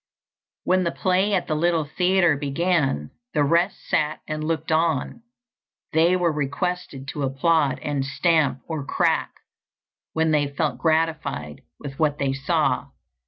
When the play at the little theatre began, the rest sat and looked on; they were requested to applaud and stamp, or crack, when they felt gratified with what they saw.